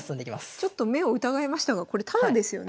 ちょっと目を疑いましたがこれタダですよね？